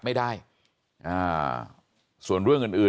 บอกแล้วบอกแล้วบอกแล้ว